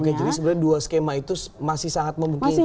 oke jadi sebenarnya dua skema itu masih sangat memungkinkan